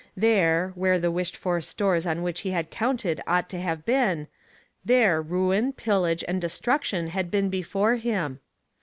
There, where the wished for stores on which he had counted ought to have been, there ruin, pillage and destruction had been before him.